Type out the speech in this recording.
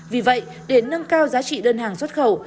vì vậy để nâng cao giá trị đơn hàng xuất khẩu